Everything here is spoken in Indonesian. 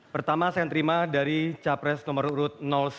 pertama saya terima dari capres nomor urut satu